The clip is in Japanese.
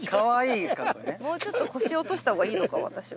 もうちょっと腰落とした方がいいのか私は。